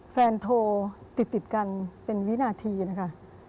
โทรติดกันเป็นวินาทีนะคะ